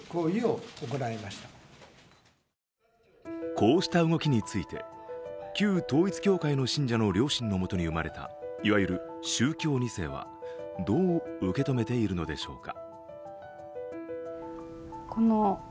こうした動きについて、旧統一教会の信者の両親のもとに生まれたいわゆる宗教２世はどう受け止めているのでしょうか。